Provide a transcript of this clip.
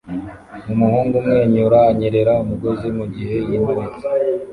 Umuhungu umwenyura anyerera umugozi mugihe yimanitse